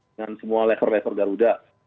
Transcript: dengan semua lever lever garuda